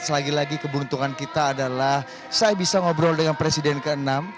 selagi lagi keberuntungan kita adalah saya bisa ngobrol dengan presiden ke enam